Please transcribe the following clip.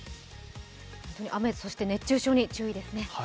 雨、そして熱中症に注意ですね。